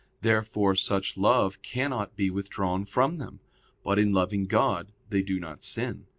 Therefore such love cannot be withdrawn from them. But in loving God they do not sin.